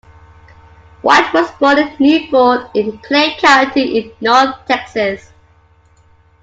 White was born in Newport in Clay County in north Texas.